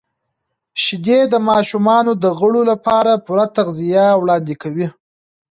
•شیدې د ماشومانو د غړو لپاره پوره تغذیه وړاندې کوي.